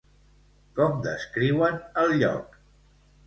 Com descriuen el lloc?